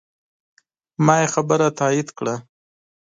ما یې خبره تایید کړه.